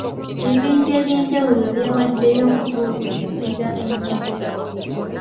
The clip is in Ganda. Ebibinja eby'enjawulo byewaddeyo okubuulira enjiri.